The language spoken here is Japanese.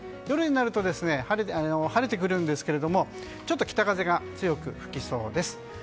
夜になると、晴れてくるんですがちょっと北風が強く吹きそうです。